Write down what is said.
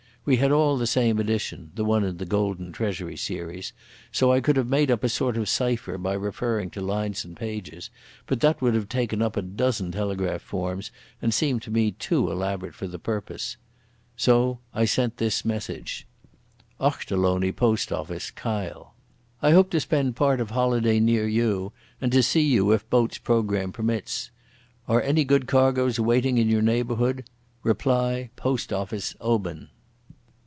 We had all the same edition—the one in the Golden Treasury series—so I could have made up a sort of cipher by referring to lines and pages, but that would have taken up a dozen telegraph forms and seemed to me too elaborate for the purpose. So I sent this message: _Ochterlony, Post Office, Kyle, I hope to spend part of holiday near you and to see you if boat's programme permits. Are any good cargoes waiting in your neighbourhood? Reply Post Office, Oban.